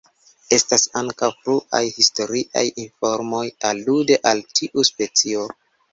Estas ankaŭ fruaj historiaj informoj alude al tiu specio.